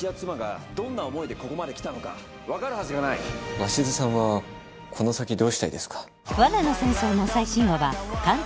鷲津さんはこの先どうしたいですか？